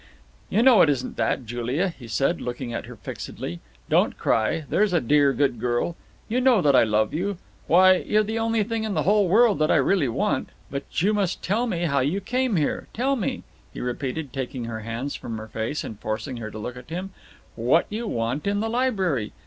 "You know it isn't that, Julia," he said, looking at her fixedly. "Don't cry, there's a dear, good girl. You know that I love you. Why, you're the only thing in the whole world that I really want. But you must tell me how you came here. Tell me," he repeated, taking her hands from her face, and forcing her to look at him, "what you want in the library.